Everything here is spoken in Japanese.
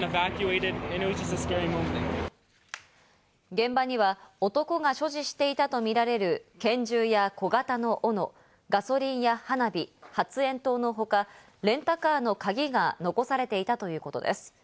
現場には男が所持していたとみられる拳銃や小型のオノ、ガソリンや花火、発煙筒のほか、レンタカーの鍵が残されていたということです。